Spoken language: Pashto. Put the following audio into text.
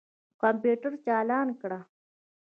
کمپیوټر چالان کړه.